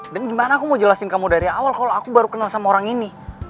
dan gimana aku mau jelasin kamu dari awal kalo aku baru kenal sama orang ini